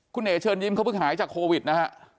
คุณเอ๋เชิญยิ้มเขาเพิ่งหายจากโควิดนะฮะ